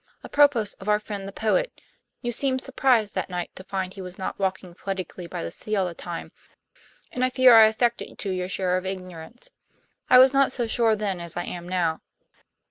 Apropos of our friend the poet, you seemed surprised that night to find he was not walking poetically by the sea all the time, and I fear I affected to share your ignorance. I was not so sure then as I am now."